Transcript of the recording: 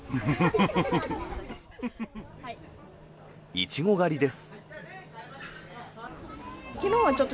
イチゴ狩りです。